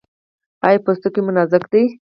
ایا پوستکی مو نازک دی؟